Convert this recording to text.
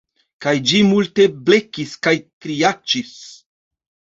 Kaj ĝi multe blekis kaj kriaĉis